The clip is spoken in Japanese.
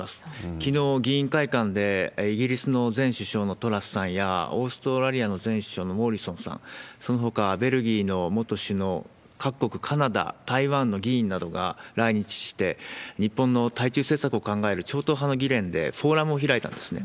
きのう、議員会館でイギリスの前首相のトラスさんや、オーストラリアの前首相のモリソンさん、そのほかベルギーの元首脳、各国、カナダ、台湾の議員などが来日して、日本の対中政策を考える超党派の議連でフォーラムを開いたんですね。